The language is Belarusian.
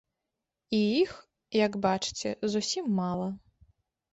І іх, як бачыце, зусім мала.